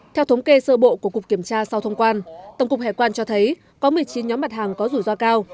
theo thống kê sơ bộ của cục kiểm tra sau thông quan tổng cục hải quan cho thấy có một mươi chín nhóm mặt hàng có rủi ro cao